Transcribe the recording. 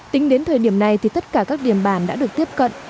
tính đến thời điểm này thì tất cả các điểm bản đã được tiếp cận